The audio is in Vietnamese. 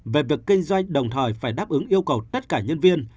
về việc kinh doanh đồng thời phải đáp ứng yêu cầu tất cả nhân viên